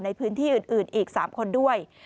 ในพื้นที่อื่นอีก๓คนด้วย